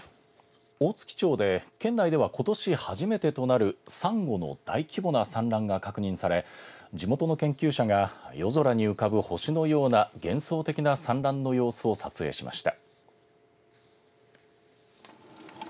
大月町で県内ではことし初めてとなるサンゴの大規模な産卵が確認され地元の研究者が夜空に浮かぶ星のような幻想的な産卵の様子を撮影しました。